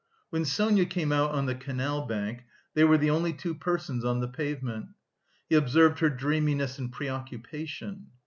When Sonia came out on the canal bank, they were the only two persons on the pavement. He observed her dreaminess and preoccupation.